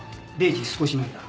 ０時少し前だ。